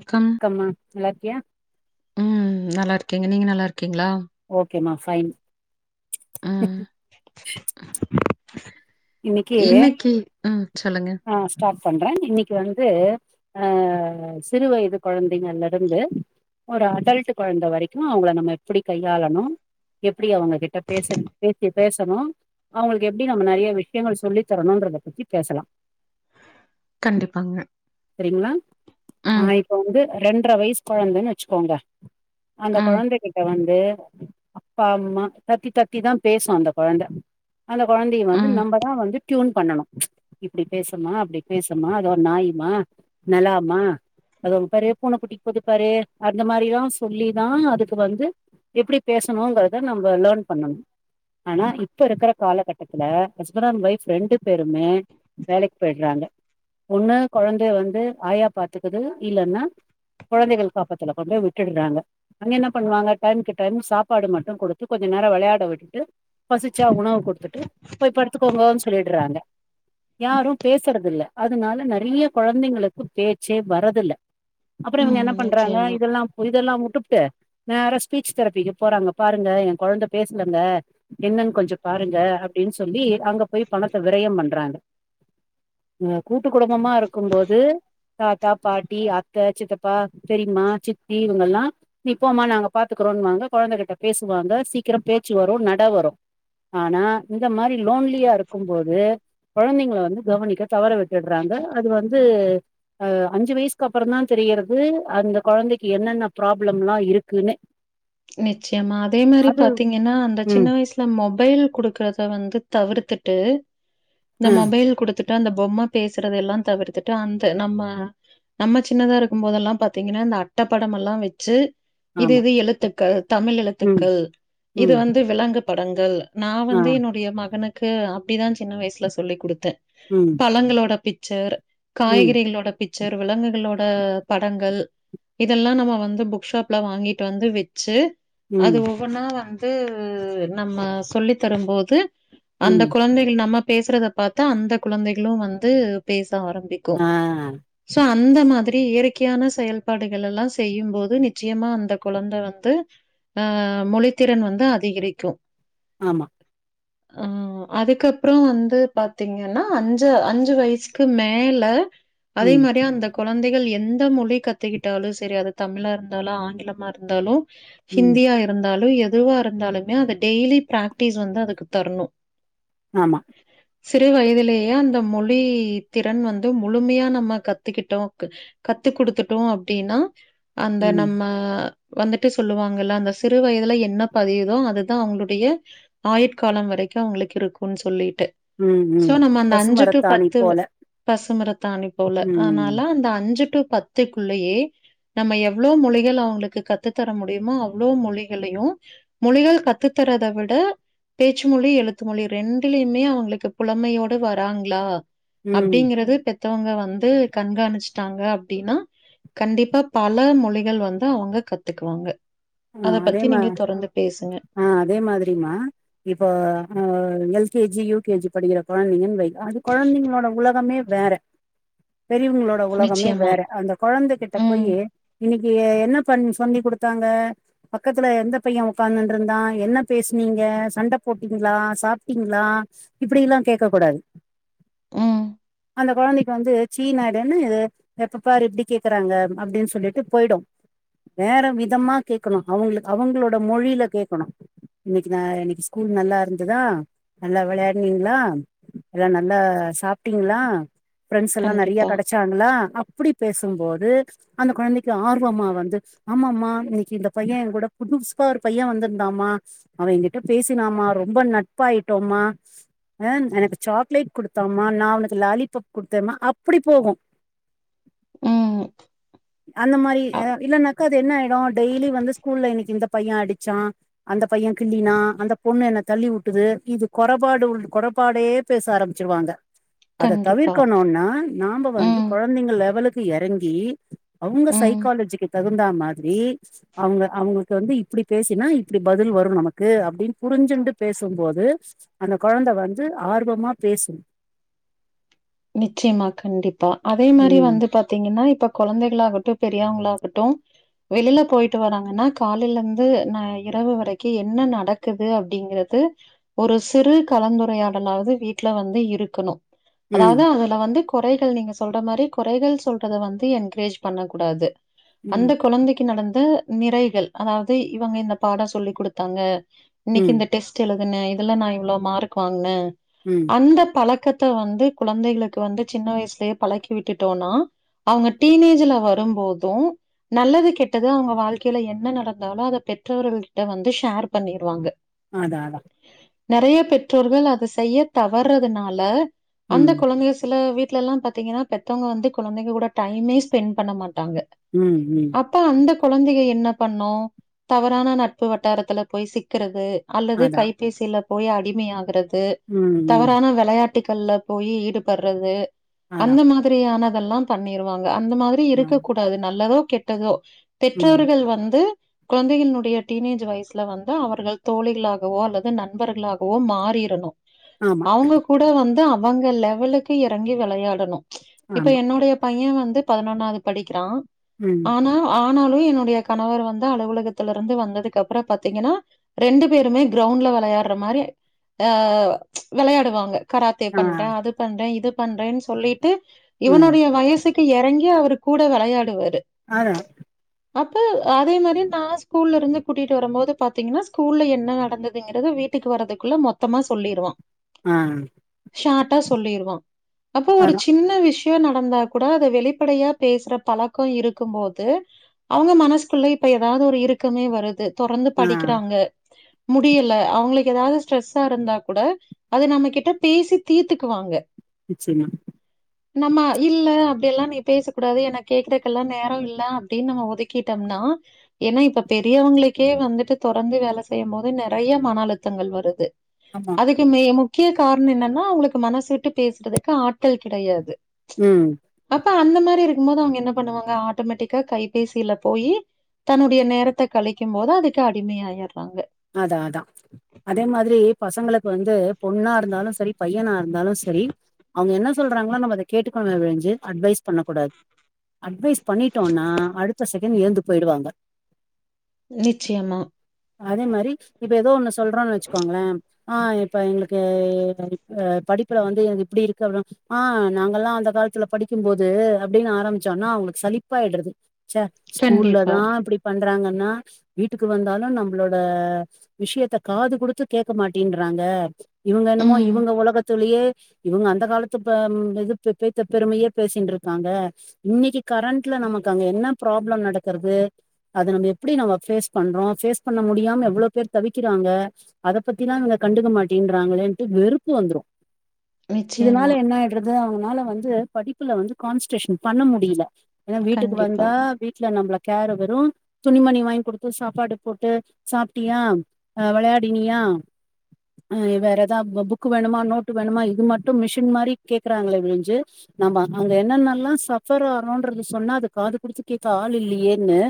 ல்கம் க்கம்மா நல்லாருக்கியா ம் நல்லாருக்கேங்க நீங்க நல்லாருக்கிங்ளா ஓகேமா ஃபைன் ம். இன்னைக்கு ம் சொல்லுங்க ஆ ஸ்டார்ட் பண்ற இன்னைக்கு வந்து அ சிறு வயது குழந்தைங்கள்ல இருந்து ஒரு அடல்ட்டு குழந்தை வரைக்கு அவங்ள நம்ம எப்படி கையாளணு எப்படி அவங்க கிட்ட பேச பேசி பேசணு அவங்களுக்கு எப்படி நம்ம நெறையா விஷயங்கள் சொல்லி தரணுன்றத பத்தி பேசலா கண்டிப்பாங்க சரிங்ளா ம், ஆ இப்ப வந்து ரெண்ட்ர வயசு கொழந்தன் வெச்சுக்கோங்க அந்த ம், கொழந்தைகிட்ட வந் து அப்பா அம்மா தக்கி தக்கிதா பேசு அந்த கொழந்த அந்த கொழந்தைய வந்து ம், நம்ப ட்யூன் பண்ணனு இப்படி பேசுமா அப்படி பேசுமா அது ஒரு நாய்மா நெலாமா அதோ அங்க பாரு பூன குட்டி போகுது பாரு அந்த மாரி எல்லா சொல்லிதா அதுக்கு வந்து எப்படி பேசணுங்கிறத நம்ம லேர்ன் பண்ணணு ஆனா இப்ப இருக்கிற காலகட்டத்துல ஹஸ்பண்ட் அண்ட் ஒய்ஃப் ரெண்டு பேருமே வேலைக்கு போயிடுறாங்க ஒண்ணு கொழந்தைய வந்து ஆயா பாத்துக்குது இல்லன்னா குழந்தைகள் காப்பத்துல கொண்டு போய் விட்டுர்றாங்க அங்க என்ன பண்ணுவாங்க டைமுக்கு டைம் சாப்பாடு மட்டு குடுத்து கொஞ்ச நேர வெளையாட விட்டுட்டு பசிச்சா உணவு குடுத்துட்டு போய் படுத்துக்கோங்கோன் சொல்லிர்றாங்க யாரு பேசுறது இல்ல அதனால நெறைய கொழந்தைங்களுக்கு பேச்சே வர்றதில்ல அப்பற இவங்க ம். என்ன பண்றாங்க நிச்சயமா, இதெல்லாம் இதெல்லா உட்டுபுட்டு நேரா ஸ்பீச் தெரபிக்கு போறாங்க பாருங்க எ கொழந்த பேசுலங்க என்னன் கொஞ்ச பாருங்க அப்டின்னு சொல்லி அங்க போய் பணத்த விரயம் பண்றாங்க அ கூட்டு குடும்பமா இருக்கும்போது தாத்தா பாட்டி அத்த சித்தப்பா பெரிம்மா சித்தி இவங்கல்லா நீ போமா நாங்க பாத்துக்றோன் வாங்க கொழந்த கிட்ட பேசுவாங்க சீக்கர பேச்சு வரு நட வரு ஆனா இந்த மாரி லோன்லியா இருக்கும்போது கொழந்தைங்கள வந்து கவனிக்க தவற விட்டுடுறாங்க அது வந்து அ அஞ்சு வயசுக்கு அப்பறந்தா தெரியறது அந்த கொழந்தைக்கு என்னென்ன ப்ராப்ளம்லா இருக்குன்னு நிச்சியமா அதே மாரி அது பாத்திங்கன்னா அந்த சின்ன ம் வயசு ல மொபைல் குடுக்கறத வந்து தவிர்த்துட்டு இந்த ஆ மொபைல் குடுத்துட் டு அந்த பொம்ம பேசுறத எல்லா தவிர்த்துட்டு அந்த நம்ம நம்ம சின்னதா இருக்கும் போதெல்லா பாத்திங்கன்னா இந்த அட்டப்படமெல்லா வெச்சு இது ஆமா இது எழுத்துக்கள் தமிழ் ம் எழுத்துக்கள் இது ம் வந்து விலங்கு படங்கள் நா ஆ வந்து என்னுடைய மகனுக்கு அப்டிதா சின்ன வயசுல சொல்லி குடுத்த ம் பழங்களோட பிச்சர் ம் காய்கறிகளோட பிச் சர் விலங்குகளோட படங்கள் இதெல்லா நம்ம வந்து புக் ஷாப்ல வாங்கிட்டு வந்து வெ ச்சு அது ம் ஒவ்வொன்னா வந்து நம்ம சொல்லி தரும்போது அந்த ம் குழந்தைகள் நம்ம பேசுறத பாத்து அந்த குழந்தைகளு வந்து பேச ஆரம்பி ஆ சோ அந்த மாதிரி இயற்கையான செயல்பாடுகள் எல்லா செய்யும் போது நிச்சயமா அந்த கொழந்த வ த்து ஆ மொழித்திறன் வந்து அதிகரிக்கு ஆமா அதுக்கப்புறோ வந்து பாத்தீங்கன்னா அஞ்சு அஞ்சு வயசுக்கு மேல அதே ம் மாரி அந்த கெழந்தைகள் எந்த மொழி கத்துகிட்டாலு சரி அது தமிழா இருந்தாலு ஆங்கிலமா இருந்தாலு ம் ஹிந்தியா இருந்தாலு எதுவா இருந்தாலுமே அத டெய்லி பிராக்டிஸ் வந்து அதுக்கு தரணு ஆமா சிறு வயதிலேயே அந்த மொழி திறன் வந்து முழுமையா நம்ம கத்துக்கிட்டோக்கு கத்து குடுத்துடோ அப்டின்னா அந்த ம் நம்ம வந்து ட்டு சொல்லுவாங்கல்ல அந்த சிறுவயதில என்ன பதியிதோ அதுதா அவுங்களுடைய ஆயுட் காலம் வரைக்கு அவுங்களுக்கு இருக்கும்ன் சொல்லிட்டு ம் ம் சோ நம்ம அந்த அஞ்சு டூ பசுமரத்தாணி பத்து போல பசுமரத் தாணி போல ம் ஆனால அந்த அஞ்சு டூ பத் த்துக்குள்ளயே நம்ம எவ்ளோ மொழிகள் அவுங்களுக்கு கத் த்து தர முடியுமோ அவ்ளோ மொழிகளையு மொழிகள் கத்து தரதவிட பேச்சு மொழி எழுத்து மொழி ரெண்டுலியுமே அவுங்களுக்கு புலமையோட வர்ராங்களா ம் அப்டிங்கிறது பெத்தவங்க வந்து கண்காணிச்சிட்டாங்க அப்டின்னா கண்டிப்பா பல மொழிகள் வந்து அவுங்க கத்துக்குவாங்க ஆ அத அதே பத்தி மா நீங்க தொடர்ந்து பேசுங்க. ஆ அதே மாதிரிமா இப்போ அ எல் கேஜி யூ கேஜி படிக்கிற கெழந்தைங்கன் வை அது கெழந்தைங்களோட உலகமே வேற பெரியவங்களோட உலகமே நிச்சயமா. வேற அந்த கெழந்தகிட்ட போய் ம், இன்னிக்கு என்ன பண் சொன்னி குடுத்தாங்க பக்கத்துல எந்த பைய உக்காந்துன்ருந்தா என்ன பேசினீங்க சண்ட போட்டீங்களா சாப்பிட்டீங்களா இப்பிடி எல்லா கேட்க கூடாது ம் அந்த கெழந்தைக்கு வந்து சீன் ஆய்டு என்ன இது எப்ப பார் எப்டி கேக்குறாங்க அப்டின் சொல்லிட்டு போய்டு வேற விதமா கேக்கணு அவுங்களுக் அவுங்களோட மொழியில கேட்கணு இன்னிக்கு ந இன்னிக்கு ஸ்கூல் நல்லா இருந்ததா நல்லா விளையானீங்களா எல்லா நல்லா சாப்ட்டீங்களா ஃப்ரரென்ஸ் எல்லா நெறைய கண்டிப்பா. கடச் டாங்களா அப்டி பேசும்போது அந்த கொழந்தைக்கு ஆர்வமா வந்து ஆமாமா இன் கி இந்த பைய ஏ கூட புதுசுப்பா ஒரு பைய வந்திருந்தாமா அவ ஏ கிட்ட பேசினாமா ரொம்ப நட்பா ஆயிட்டோமா ஆ எனக்கு சாக்லேட் கொடுத்தாமா நா அவனுக்கு லாலிபாப் குடுத்தேமா அப்பிடி போகு ம். அந்த மாரி அ இல்லன்னாக்கா அது என்ன ஆயிடு டெய்லி வந்து ஸ்கூல்ல இன்னிக்கு இந்த பைய அடிச்சா அந்த பைய கிள்ளினா அந்த பொண்ணு என்ன தள்ளிவுட்டது இது கொறபாடு உள் கொறபாடே பேச ஆரம்பிச்சிருவாங்க அத கண்டிப்பா. தவிர்க்கணுன்னா நாம வந்து ம், கொழந் ந்தைங்க லெவலுக்கு எறங்கி அவங்க ம். சைக்காலஜிக்கு தகுந்தா மாதிரி அவுங்க அவுங்களுக்கு வந்து இப்பிடி பேசினா இப்பிடி பதில் வரு நமக்கு அப்பிடின்னு புரிஞ்சுண்டு பேசும்போது அந்த கொழந்த வந்து ஆர்வமா பேசும் நிச்சயமா கண்டிப்பா அதே மாரி ம் வந்து பாத் த்தீங்கன்னா இப்ப கொழந்தைகளாகட்டு பெரியவங்களாகட்டு வெளியில போயிட்டு வராங்கன்னா காலையிலந்து ந இரவு வரக்கி என்ன நடக்குது அப்பிடிங்கறது ஒரு சிறு கலந்துரையாடலாவது வீட்ல வந்து இருக்கணு அதாவது ம் அதுல வந்து குறைகள் நீங்க சொல்ற மாரி குறைகள் சொல்றத வந்து என்கரேஜ் பண்ண கூடாது ம் அந்தக் கொழந்தைக்கு நடந்த நிறைகள் அதாவது இவுங்க இந்த பாடம் சொல்லிக் குடுத்தாங்க இன்னைக்கு ம் இந்த டெஸ்ட் எழுதுனே இதுல நா இவ்ளோ மார்க் வாங்குனே ம் இந்தப் பழக்கத்த வந்து குழந்தைகளுக்கு வந்து சின்ன வயசுலேயே பழக்கி விட்டுட்டோம்னா அவுங்க டீனேஜ்ல வரும்போது நல்லது கெட்டது அவுங்க வாழ்க்கைல என்ன நடந்தாலு அத பெற்றவர்கள்கிட்ட வந்து ஷேர் பண்ணிருவாங்க அதா அதா நெறைய பெற்றோர்கள் அத செய்ய தவறதுனால அந்த ம் குழந்தைய சில வீட்லல்லா பாத்தீங்கன்னா பெத்தவங்க வந்து குழந்தைங்க கூட டைமே ஸ்பெண்ட் பண்ண மாட்டாங்க ம் ம் அப்ப அந்த குழந்தைக என்ன பண்ணு தவறான நட்பு வட்டாரத்துல போய் சிக்குறது அல்லது அதா கைபேசில போய் அடிமையாகுறது ம் ம் தவறான வெளையாட்டுகள்ல போயி ஈடுபடுறது அதா அந்த மாதிரியானதெல்லா பண்ணிருவாங்க அந்த மாதிரி ஆ இருக்கக்கூ டாது நல்லதோ கெட்டதோ ம் பெற்றவர்கள் வந்து குழந்தைகளுடைய டீனேஜ் வயசுல வந்து அவர்கள் தோழிகளாகவோ அல்லது நண்பர்களாகவோ மாறிரணு ஆமா அவுங்க கூட வந்து அவுங்க லெவலுக்கு எறங்கி வெளையாடணு இப்ப ஆமா என்னுடைய பையே வந்து பதினொன்னாவது படிக்கிறா ம் ஆனா ஆனாலு என்னுடைய கணவர் வந்து அலுவலகத்துலருந்து வந்ததுக்கப்றோ பாத்தீங்கன்னா ரெண்டு பேருமே கிரௌண்ட்ல வெளையாடுற மாரி ஆ வெளையாடுவாங்க கராத்தே ஆ பண்றே அது பண்றே இது பண்றேன்னு சொல்லிட்டு ம் இவனுடைய வயசுக் க்கு எறங்கி அவரு கூட வெளையாடுவாரு ஆ யா அப்ப அதே மாரி நா ஸ்கூல்லருந்து கூட்டிட்டு வரும்போது பாத்தீங்கன்னா ஸ்கூல்ல என்ன நடந்ததுங்கறது வீட் டுக்கு வரதுக்குள்ள மொத்தமா சொல்லிருவா அ ஷார்டா சொல்லிருவா அப்போ ஒரு அதா சின்ன விஷ் யோ நடந்தா கூட அத வெளிப்படையா பேசுற பழக்கோ இருக்கும்போது அவுங்க மனசுக்குள்ள இப்ப எதாவது ஒரு இருக்கமே வருது தொடர்ந்து ஆ படிக்கிறாங்க முடியல அவுங்களுக்கு ஏதாது ஸ்ட்ரெஸ்ஸாருந்தா கூட அத நம்ம கிட்ட பேசி தீ்த்துக்குவாங்க நிச்சயமா நம்ம இல்ல அப்டியெல்லா நீ பேச கூடாது என கேக்குறக்கெல்லா நேரோ இல்ல அப்டின்னு நம்ம ஒதுக்கிட்டோம்னா ஏன்னா இப்ப பெரியவங்களுக்கே வந்துட்டு தொடந்து வேல செய்யு போது நெறய மன அழுத்தங்கள் வருது ஆமா அதுக்கு மே முக்கிய காரணோ என்னன்னா அவுங்களுக்கு மனசு விட்டு பேசுறதுக்கு ஆட்கள் கெடையாது ம் அப்ப அந்த மாரிருக்கு போது அவுங்க என்ன பண்ணுவாங்க ஆட்டோமேட்டிக்கா கைபேசில போயி தன்னுடைய நேரத்த கழிக்கும் போது அதுக்கு அடிமையாயிடுறாங்க அதா அதா அதே மாதிரி பசங்களுக்கு வந்து பொண்ணாருந்தாலு சரி பையனாருந் தாலு சரி அவுங்க என்ன சொல்றாங்களோ நம்ம அத கேட்டுக்கணுமே ஒழிஞ்சு அட்வைஸ் பண்ணக் கூடாது அட்வைஸ் பண்ணிட்டோனா அடுத்த செகண்ட் எழுந்து போயிடுவாங்க நிச்சயமா அதே மாரி இப்ப ஏதோ ஒண்ணு சொல்றோன்னு வச்சுக்கோங்ளே ஆ இப்ப எங்ளுக்கு அ படிப்புல வந்து எனக்கு எப்புடி இருக்கற்தா ஆ நாங்களா அந்த காலத்துல படிக்கும்போது அப்டின் ஆரம்பிச்சோனா அவுங்ளுக்கு சழிப்பாாய்டுறுது ச்ச கண்டிப்பா. ஸ்கூலதா இப்டி பண்றாங்கனா வீட்டுக்கு வந்தாலு நம் நம்ளோட விஷ்யத்த காது குடுத்து கேக்க மாட்டேன்ட்றாங்க இவுங்க என்னமோ ம். இவுங்க ஒலகத்துலயே இவுங்க அந்த காலத்து ப ம் இது பேத்த பெருமையே பேசின்ட்ருக்காங்க இன்னைக்கு கரண்ட்ல நமக்கு அங்க என்ன பிராப்ளம் நடக்கறது அத நம்ம எப்டி நம்ம பேஸ் பண்றோ பேஸ் பண்ண முடியாம எவ்ளோ பேர் தவிக்கிறாங்க அதப்பத்திலா இவ்ங்க கண்டுக்க மாட்டேன்ட்றாங்களேன்ட்டு வெறுப்பு வந்துரு இதுனால நிச்சயமா. என்ன ஆய்டுறுது அவனால வந்து படிப்புல வந்து கான்ஸ்ட்ரேஷன் பண்ண முடில ஏனா வீட்டுக்கு கண்டிப்பா, வந்தா வீட்ல நம்ள கேர வெறு துணிமணி வாய்ங்க்குடுத்து சாப்பாடு போட்டு சாப்ட்டியா அ வெளையாடினியா அ வேற எதா பொ புக் வேணுமா நோட்டு வேணுமா இது மட்டு மிஷின் மாரி கேக்குறாங்களே ஒழிஞ்சு ஆமா அங்க என்னன்னல்லா சஃபர் ஆறோன்றது சொன்னா அது காது குடுத்து கேக்க ஆள் இல்லையேன்னு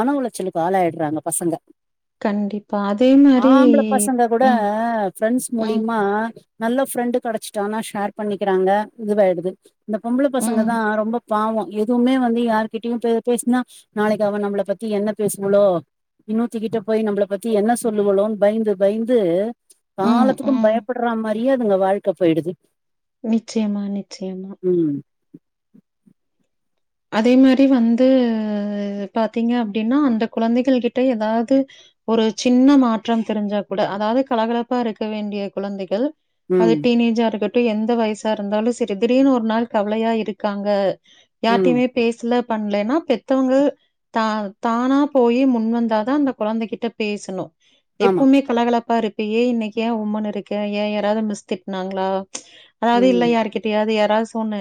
மன ஒளச்சலுக்கு ஆளாய்டுறாங்க பசங்க கண்டிப் பா அதே மா ஆம்பள பசங்க கூட ஃபிரெண்ஸ் ம், மூலிமா நல்ல ஃபிரெண்டு கெடச்சிட்டாங்கனா ஷேர் பண்ணிக்கிறாங்க இதுவாய்டுது இந்த பொம்பள ம், பசங்கதா ரொம்ப பாவோ எதுவுமே வந்து யார்கிட்டயு பே பேசுனா நாளைக்கு அவ நம்மள பத்தி என்ன பேசுங்களோ இன்னொர்த்திக்கிட்ட போய் நம்மள பத்தி என்ன சொல்லுங்குளோன் பய்ந்து பய்ந்து ம், காலத்துக்கு ம். பயப்புட்ற மாரியே அதுங்க வாழ்க்க போய்டுது நிச்சயமா நிச்சயமா ம் அதே மாரி வந்து பாத்தீங்க அப்டினா அந்த குழந்தைகள்கிட்ட எதாது ஒரு சின்ன மாற்றம் தெரிஞ்சா கூட அதாவ்து கலகலப்பா இருக்க வேண்டிய குழந்தைகள் அது ம் டீனேஜா இருக்கட்டு எந்த வயசா இருந்தாலு சரி திடீர்னு ஒரு நாள் கவ்லையா இருக்காங்க ம் யார்ட்டயுமே பேசுல பண்லனா பெத்தவுங்க தா தானா போயி முன் வந்தாதா அந்த குழந்தை கிட்ட பேசணு ஆமா எப்பவ்மே கலகலப்பா இருப்பியே இன்னைக்கு ஏன் உம்முன் இருக்க ஏன் யாராவ்து மிஸ் திட்னாங்ளா அதாவ்து இல்ல ம் யார்கிட்டயாவ்து யாராது சொன்னு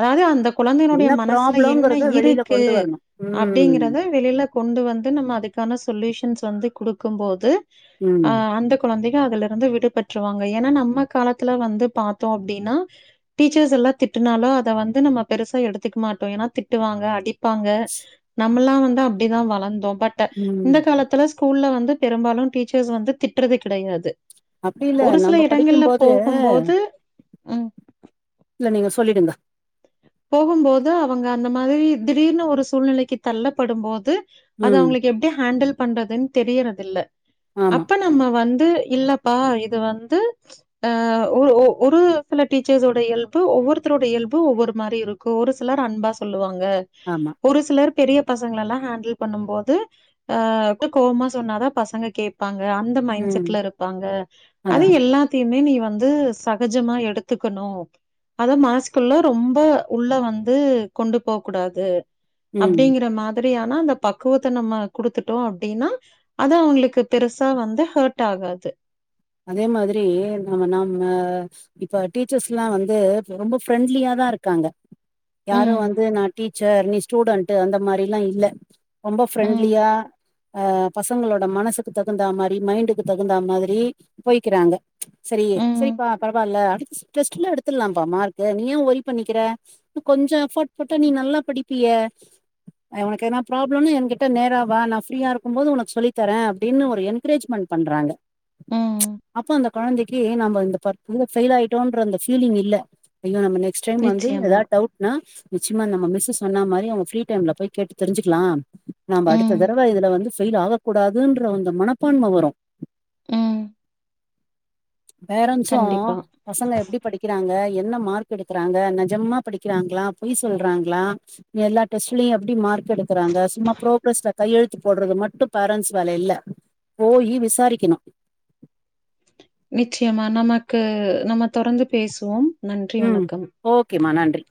அதாவ்து அந்த குழந்தைனுடைய என்ன ம மனசுல என்ன ப்ராப்ளம்ங்கறத வெளியில இருக்கு கொண்டு வரணு ம் அப்டிங்கிறத வெளில கொண்டு வந்து நம்ம அதுக்கான சொல்யூஷன்ஸ் வந்து குடுக்கும்போது ஆ ம் அந்த கொழந்தைக அதுல இருந்து விடுபற்றுவாங்க ஏனா நம்ம காலத்துல வந்து பாத்தோ அப்டினா டீச்சர்ஸ் எல்லா திட்டுனாலு அத வந்து நம்ம பெருசா எடுத் துக் மாட்டோ ஏனா திட்டுவாங்க அடிப்பாங்க நம்மளா வந்து அப்டிதா வளந்தோ பட் ட ம் இந்த காலத்துல ஸ்கூல்ல வந்து பெரும்பாலு டீச்சர்ஸ் வந்து திட்றது கெடையாது அப்டி இல்ல ஒரு சில நம்ம இடங்கள்ல படிக்கும்போது போகும்போது ம் இல்ல நீங்க சொல்லிடுங்க போகும்போது அவுங்க அந்த மாதிரி திடீர்னு ஒரு சூழ்நிலைக்கு தள்ளப்படும் போது அது ம் அவுங்குளுக்கு எப் டி ஹேண்டில் பண்றதுன் தெரியறதில்ல ஆமா அப்ப நம்ம வந்து இல்லப்பா இது வந்து அ ஒ ஒரு சில டீச்சர்ஸோட இயல்பு ஒவ்வொருத்தரோட இயல்பு ஒவ்வொரு மாரி இருக்கு ஒரு சிலர் அன்பா சொல்லுவாங்க ஆமா ஒரு சிலர் பெரிய பசங்கலலா ஹாண்டில் பண்ணம் போது ஆ கோவமா சொன்னாதா பசங்க கேப் பாங்க அந்த மைண்ட் ம் செட்ல இருப்பாங்க அதா அது அதா எல்லா த்தியுமே நீ வந்து சகஜமா எடுத்துக்கனு அத மனசுக்குள்ள ரொம் ப உள்ள வந்து கொண்டு போ கூடாது ம் அப்டிங்ற மா திரியான அந்த பக்குவத்த நம்ம குடுத்துட்டோ அப்டின்னா அத அவுங்ளுக்கு பெருசா வந்து ஹர்ட் ஆகாது அதே மாதிரி நம்ம நாம்ம இப்ப டீச்சர்ஸ்லா வந்து ரொம்ப ஃப்ரெண்ட்லியா தா இருக்காங்க யாரு வந்து ம், நா டீச்சர் நீ ஸ்டூடண்ட்டு அந்த மாரிலா இல்ல ரொம்ப ம், ஃப்ரெண்ட்லியா அ பசங்களோட மனசுக்கு தகுந்தா மாரி மைண்டுக்கு தகுந்தா மாதிரி போய்க்குறாங்க சரி ம், சரிப்பா பரவா இல்ல அடு ஸ் டெஸ்ட்ல எடுத்தரலா பா மார்க்கு நீ எ ஓரி பண்ணிக்குற இன்னு கொஞ்சோ எஃபோர்ட் போட்டா நீ நல்லா படிப்பியே அ உனக்கு எதுனா ப்ராப்ளோனா என்கிட்ட நேரா வா நா ஃப்ரீயா இருக்கு போது உனக்கு சொல்லி தரே அப்டின்னு ஒரு என்கரேஜ்மெண்ட் பண்றாங்க ம். அப்ப அந்த கொழந்தைக்கி நம்ம இந்த ப இதுல ஃபெயில் ஆயிட்டோன்ற அந்த ஃபீலிங் இல்ல ஐயோ நம்ம நே நெக்ஸ்ட் டைம் வந்து ஏதா நிச்சயமா. டவுட்னா நிச்சியமா நம்ம மிஸ்ஸு சொன்ன மாரி அவங்க ஃப்ரீ டைம்ல போய் கேட்டு தெரிஞ்சிக்கலா நம்ப அடுத்த ம், தடவ இதுல வந்து ஃபேயில் ஆக கூடாதுன்ற அந்த மனப்பான்ம வரு ம். பேரண்ஸு கண்டிப்பா. பசங்க எப்டி படிக்குறாங்க என்ன மார்க் எடுக்குறாங்க நெஜமா படிக்குறாங்களா பொய் சொல்றாங்களா எல்லா டெஸ்ட்லயு எப்டி மார்க் எடுக்குறாங்க சும்மா ப்ரோக்ரஸ்ல கையெழுத்து போட்றது மட்டு பேரன்ட்ஸ் வேல இல்ல போயி விசாரிக்கணு நிச்சயமா நமக்கு நம்ம தொடர்ந்து பேசுவோ நன்றி வணக்கம் ஓகே மா நன்றி